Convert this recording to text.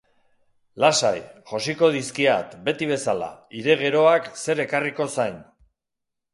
Lasai, josiko dizkiat, beti bezala, hire geroak zer ekarriko zain.